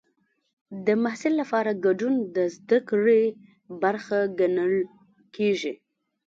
د محصل لپاره ګډون د زده کړې برخه ګڼل کېږي.